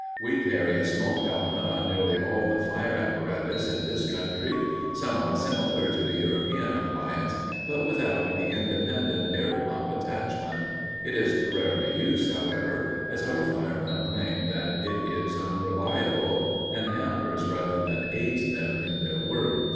We carry a smoke helmet on nearly all the fire apparatus in this country, somewhat similar to the European appliance, but without the independent air pump attachment. It is rarely used, however, as our firemen claim that it is unreliable, and hampers rather than aids them in their work.